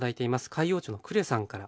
海陽町のクレさんから。